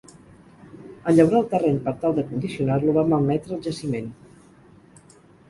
En llaurar el terreny per tal de condicionar-lo va malmetre el jaciment.